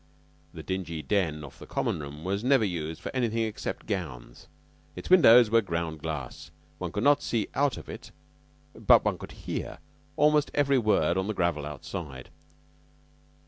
The dingy den off the Common room was never used for anything except gowns. Its windows were ground glass; one could not see out of it, but one could hear almost every word on the gravel outside.